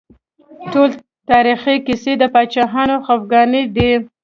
ټول تاريخ کيسې د پاچاهانو جفاګانې دي